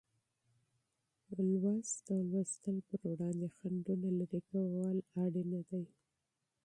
لوست او مطالعې پر وړاندې خنډونه لېرې کول ضروري دی.